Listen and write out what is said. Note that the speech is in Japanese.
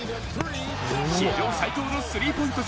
史上最高のスリーポイント